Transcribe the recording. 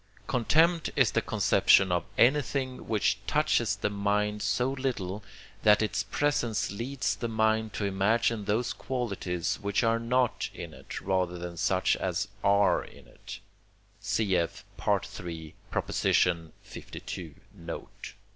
Contempt is the conception of anything which touches the mind so little, that its presence leads the mind to imagine those qualities which are not in it rather than such as are in it (cf. III. lii. note).